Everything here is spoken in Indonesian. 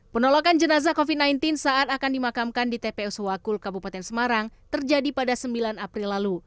penolakan jenazah covid sembilan belas saat akan dimakamkan di tpu suwakul kabupaten semarang terjadi pada sembilan april lalu